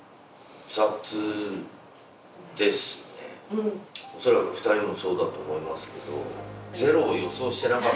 おそらく２人もそうだと思いますけど。